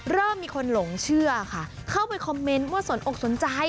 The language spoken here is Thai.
เริ่มมีคนหลงเชื่อค่ะเข้าไปคอมเมนต์ว่าสนอกสนใจ